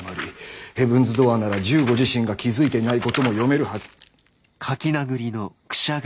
ヘブンズ・ドアーなら十五自身が気付いていないことも読めるはず。